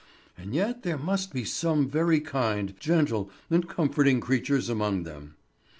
And yet there must be some very kind, gentle, and comforting creatures among them.